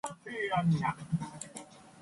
La Piedad and Real Zamora.